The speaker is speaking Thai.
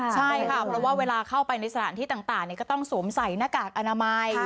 ใช่ค่ะเพราะว่าเวลาเข้าไปในสถานที่ต่างก็ต้องสวมใส่หน้ากากอนามัย